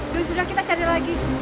dulu sudah kita cari lagi